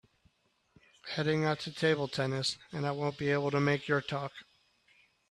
Heading out to table tennis and I won’t be able to make your talk.